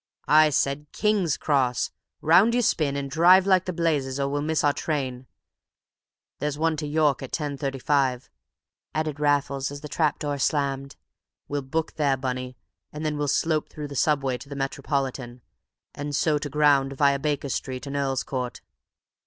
"I said King's Cross! Round you spin, and drive like blazes, or we miss our train! There's one to York at 10:35," added Raffles as the trap door slammed; "we'll book there, Bunny, and then we'll slope through the subway to the Metropolitan, and so to ground via Baker Street and Earl's Court."